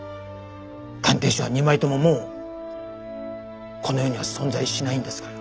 鑑定書は２枚とももうこの世には存在しないんですから。